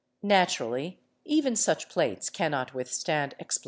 Naturally even such plates cannot withstand explosives.